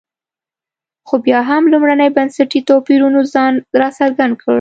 خو بیا هم لومړني بنسټي توپیرونو ځان راڅرګند کړ.